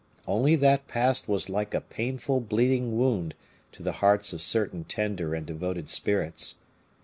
Only that past was like a painful bleeding wound to the hearts of certain tender and devoted spirits.